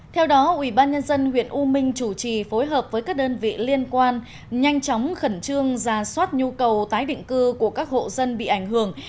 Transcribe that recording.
theo đó ubnd huyện u minh chủ trì phối hợp với các đơn vị liên quan nhanh chóng khẩn trương ra soát nhu cầu tái định cư của các hộ dân bị ảnh hưởng